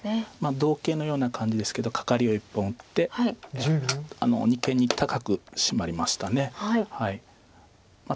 同形のような感じですけどカカリを１本打って二間に高くシマりました。